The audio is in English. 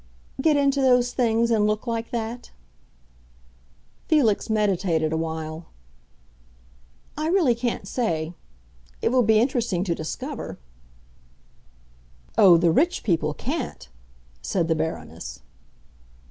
"Get into those things, and look like that." Felix meditated awhile. "I really can't say. It will be interesting to discover." "Oh, the rich people can't!" said the Baroness.